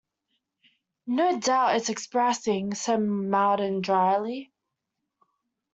"No doubt it's exasperating," said Martin, drily.